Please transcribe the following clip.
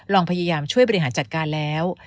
ลองพยายามช่วยบริหารจัดการแล้ว